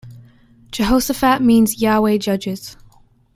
Jehoshaphat means Yahweh judges.